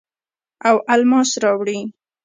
او الماس راوړي